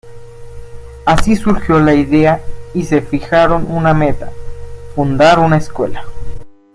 Así surgió la idea y se fijaron una meta: fundar una escuela.